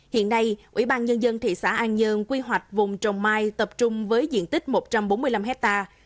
hiện nay ủy ban nhân dân thị xã an dương quy hoạch vùng trồng mai tập trung với diện tích một trăm bốn mươi năm hectare